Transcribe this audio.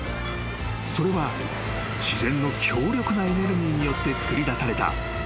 ［それは自然の強力なエネルギーによってつくりだされたまさに］